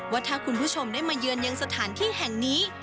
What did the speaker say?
ว่าถ้าคุณผู้ชมได้มาเยือนยังสถานที่แห่งนี้